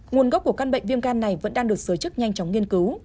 nguồn gốc của căn bệnh viêm gan này vẫn đang được giới chức nhanh chóng nghiên cứu